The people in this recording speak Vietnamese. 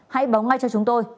hãy báo ngay cho chúng tôi